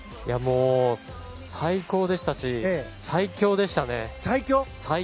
最高でしたし最強でしたね。